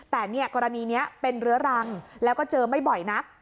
แต่กรณีนี้เป็นเรื้อรังแล้วก็เจอไม่บ่อยนัก